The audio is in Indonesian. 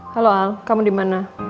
halo al kamu di mana